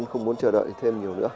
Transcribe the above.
họ muốn chờ đợi thêm nhiều nữa